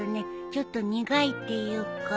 ちょっと苦いっていうか。